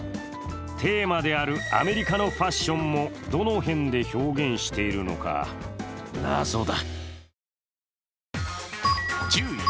テーマであるアメリカのファッションもどの辺で表現しているのか、謎だ。